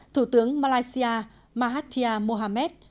thủ tướng malaysia mahathir mohamad